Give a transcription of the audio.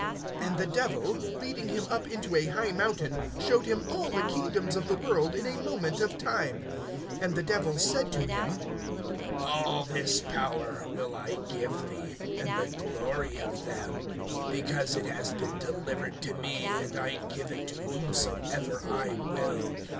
(5)And the Devil, leading him up into a high mountain, showed him all the kingdoms of the world in a moment of time. (6)And the Devil said to him: All this power will I give thee, and the glory of them; because it has been delivered to me, and I give it to whomsoever I will.